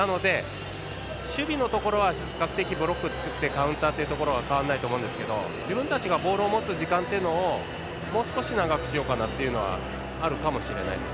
守備のところは比較的ブロック作ってカウンターというところは変わらないと思うんですが自分たちがボールを持つ時間をもう少し長くしようかなというのはあるかもしれないです。